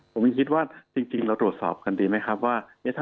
ผมยังคิดว่าจริงเราตรวจสอบกันดีไหมครับว่า